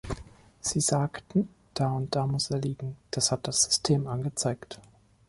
Sie sagten, da und da muss er liegen, das hat das System angezeigt.